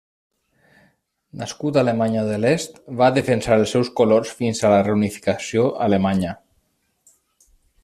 Nascut a Alemanya de l'Est va defensar els seus colors fins a la reunificació alemanya.